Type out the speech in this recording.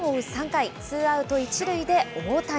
３回、ツーアウト１塁で大谷。